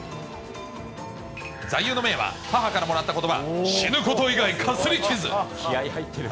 座右の銘は、母からもらったことば、死ぬこと以外かすり傷。